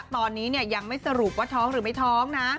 ตอนนี้ยังไม่สรุปว่าท้องหรือไม่ท้องนะ